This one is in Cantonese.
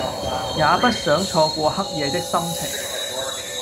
也不想錯過黑夜的心情